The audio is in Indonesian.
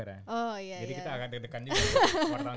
jadi kita agak deg degan juga